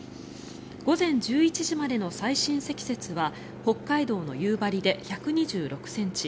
午前１１時までの最深積雪は北海道の夕張で１２６ｃｍ